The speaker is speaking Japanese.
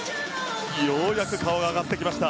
ようやく顔が上がりました。